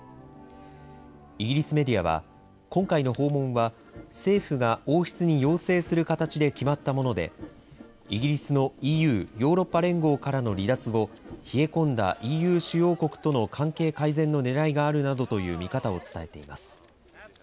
イギリスメディアは今回の訪問は政府が王室に要請する形で決まったものでイギリスのＥＵ・ヨーロッパ連合からの離脱後、冷え込んだＥＵ主要国との関係改善のねらいがあるなどという見方を伝えています。